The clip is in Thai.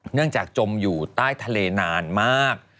เนื่องจากจมอยู่ใต้ทะเลนานมาก